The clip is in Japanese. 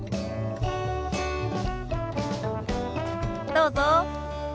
どうぞ。